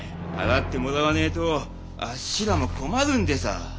払ってもらわねえとあっしらも困るんでさあ。